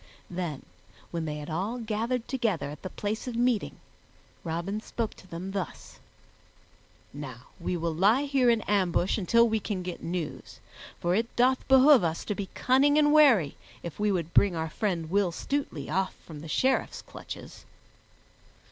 Then, when they had all gathered together at the place of meeting, Robin spoke to them thus: "Now we will lie here in ambush until we can get news, for it doth behoove us to be cunning and wary if we would bring our friend Will Stutely off from the Sheriff's clutches."